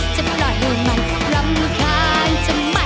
จะปล่อยมันรำคาญทำไม